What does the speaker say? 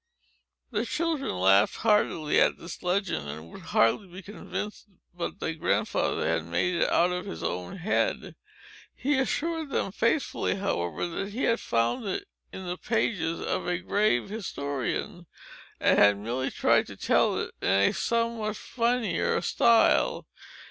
The children laughed heartily at this legend, and would hardly be convinced but that Grandfather had made it out of his own head. He assured them faithfully, however, that he had found it in the pages of a grave historian, and had merely tried to tell it in a somewhat funnier style.